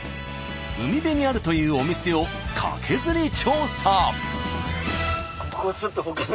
海辺にあるというお店をカケズリ調査。